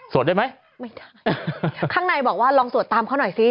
ได้ไหมไม่ได้ข้างในบอกว่าลองสวดตามเขาหน่อยสิ